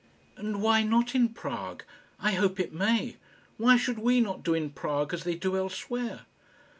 "And why not in Prague? I hope it may. Why should we not do in Prague as they do elsewhere?"